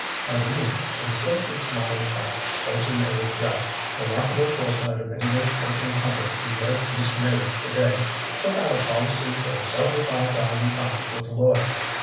Underneath, in slightly smaller type, Spencer Meyrick read: Remarkable Foresight of English Fortune Hunter Who Weds Miss Meyrick To Day Took Out a Policy For Seventy Five Thousand Pounds With Lloyds.